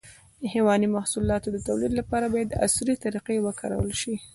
د حيواني محصولاتو د تولید لپاره باید عصري طریقې وکارول شي.